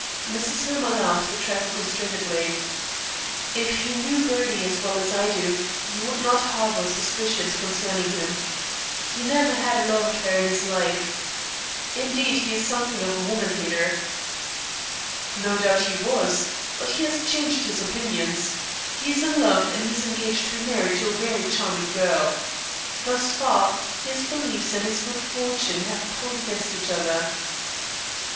Mrs. Hillmer laughed, a trifle constrainedly. "If you knew Bertie as well as I do, you would not harbor suspicions concerning him. He never had a love affair in his life. Indeed, he is something of a woman hater." "No doubt he was. But he has changed his opinions. He is in love, and is engaged to be married to a very charming girl. Thus far, his beliefs and his good fortune have pulled against each other."